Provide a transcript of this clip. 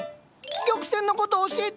玉扇のこと教えて！